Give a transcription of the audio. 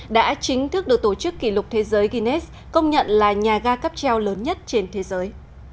đã chính thức được tổ chức kỷ lục thế giới guinness công nhận là nhà ga cắp treo lớn nhất trên thế giới